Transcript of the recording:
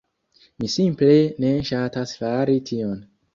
mi simple ne ŝatas fari tion.